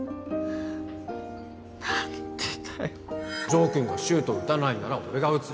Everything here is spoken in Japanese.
城君がシュート打たないなら俺が打つ